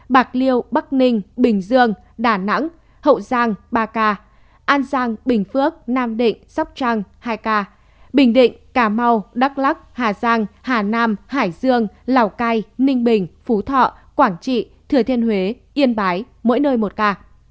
bạc liêu bắc ninh bình dương đà nẵng hậu giang ba ca an giang bình phước nam định sóc trăng hai ca bình định cà mau đắk lắc hà giang hà nam hải dương lào cai ninh bình phú thọ quảng trị thừa thiên huế yên bái mỗi nơi một ca